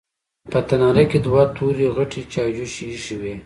په تناره کې دوه تورې غټې چايجوشې ايښې وې.